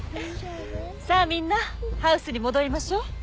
さあみんなハウスに戻りましょう。